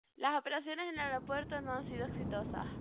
Las operaciones en el aeropuerto no han sido exitosas.